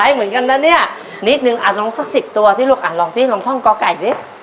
เหมือนกันนะเนี่ยนิดนึงอ่ะลองสักสิบตัวสิลูกอ่ะลองสิลองท่องกอไก่ดิ